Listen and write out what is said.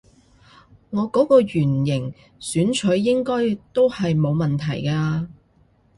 我嗰個圓形選取應該都係冇問題嘅啊